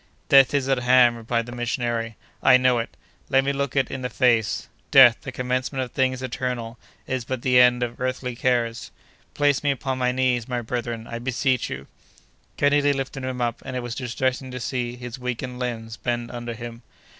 "Death is at hand," replied the missionary, "I know it! Let me look it in the face! Death, the commencement of things eternal, is but the end of earthly cares. Place me upon my knees, my brethren, I beseech you!" Kennedy lifted him up, and it was distressing to see his weakened limbs bend under him.